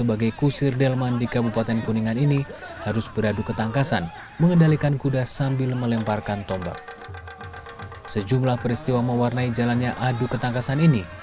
ada peserta yang terjatuh saat beradu kentangkasan